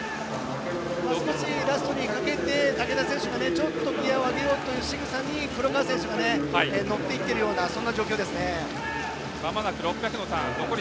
少し、ラストにかけて竹田選手がギヤを上げようというしぐさに黒川選手が乗っていっているようなそんな状況ですね。